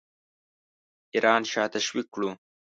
ایران شاه تشویق کړو.